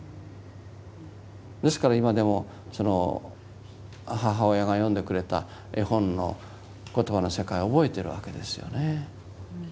ですから今でも母親が読んでくれた絵本の言葉の世界を覚えてるわけですよね。